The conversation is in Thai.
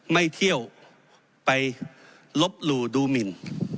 ไม่เที่ยวไปลบหลู่ดูหมิน